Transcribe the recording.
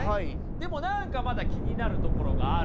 でも何かまだ気になるところがある。